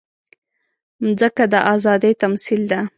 مځکه د ازادۍ تمثیل ده.